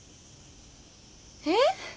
えっ？